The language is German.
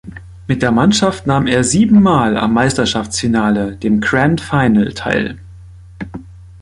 Mit der Mannschaft nahm er sieben Mal am Meisterschaftsfinale, dem Grand Final teil.